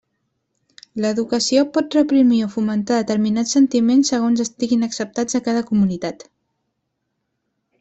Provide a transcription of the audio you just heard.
L'educació pot reprimir o fomentar determinats sentiments segons estiguin acceptats a cada comunitat.